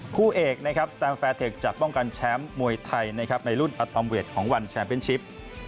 คู่เอกนะครับสแตมแฟร์เทคจะป้องกันแชมป์มวยไทยนะครับในรุ่นอัตอมเวทของวันแชมเป็นชิป